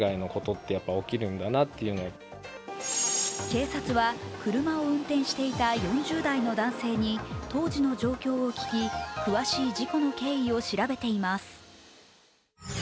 警察は車を運転していた４０代の男性に当時の状況を聞き詳しい事故の経緯を調べています。